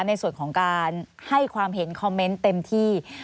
ในส่วนของการให้ความเห็นคอมเมนต์เต็มที่